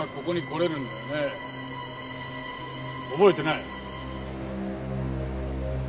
覚えてない？